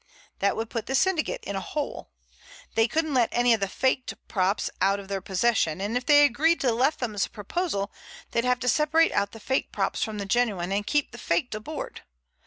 That would put the syndicate in a hole. They couldn't let any of the faked props out of their possession, and if they agreed to Leatham's proposal they'd have to separate out the faked props from the genuine, and keep the faked aboard.